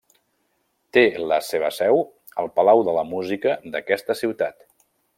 Té la seva seu al Palau de la Música d'aquesta ciutat.